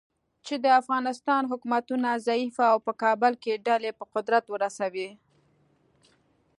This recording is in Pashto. چې د افغانستان حکومتونه ضعیفه او په کابل کې ډلې په قدرت ورسوي.